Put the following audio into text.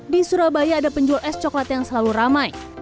di surabaya ada penjual es coklat yang selalu ramai